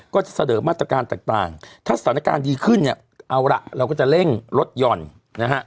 ก็จะเสนอมาตรการต่างถ้าสถานการณ์ดีขึ้นเนี่ยเอาล่ะเราก็จะเร่งลดหย่อนนะฮะ